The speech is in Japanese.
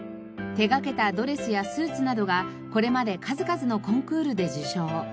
手がけたドレスやスーツなどがこれまで数々のコンクールで受賞。